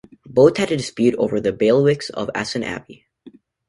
Both had a dispute over the bailiwicks of Essen Abbey.